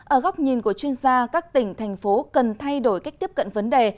ở góc nhìn của chuyên gia các tỉnh thành phố cần thay đổi cách tiếp cận vấn đề